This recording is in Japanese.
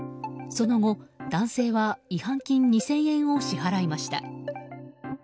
その後、男性は違反金２０００円を支払いました。